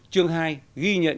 chương hai ghi nhận